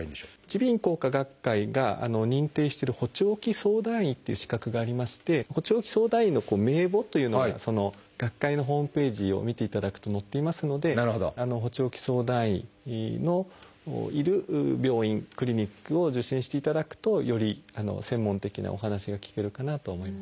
耳鼻咽喉科学会が認定してる「補聴器相談医」という資格がありまして補聴器相談医の名簿というのが学会のホームページを見ていただくと載っていますので補聴器相談医のいる病院クリニックを受診していただくとより専門的なお話が聞けるかなとは思います。